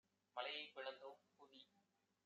மலையைப் பிளந்தோம் - புவி